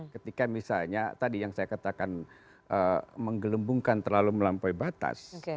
ketika misalnya tadi yang saya katakan menggelembungkan terlalu melampaui batas